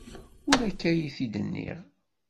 Ur akka ay t-id-nniɣ.